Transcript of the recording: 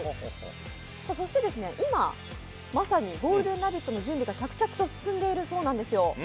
今まさに「ゴールデンラヴィット！」の準備が着々と進んでいるそうなんですよ。